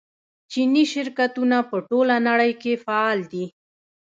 چیني شرکتونه په ټوله نړۍ کې فعال دي.